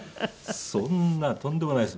そんなとんでもないです。